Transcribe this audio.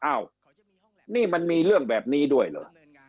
อ้าวนี่มันมีเรื่องแบบนี้ด้วยเหรอ